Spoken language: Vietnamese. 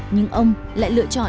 nhưng ông lại lựa chọn